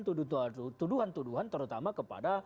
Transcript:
tuduhan tuduhan terutama kepada